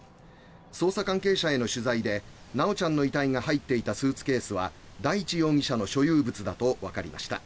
捜査関係者への取材で修ちゃんの遺体が入っていたスーツケースは大地容疑者の所有物だとわかりました。